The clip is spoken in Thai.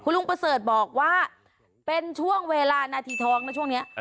ลุงประเสริฐบอกว่าเป็นช่วงเวลานาทีท้องนะช่วงนี้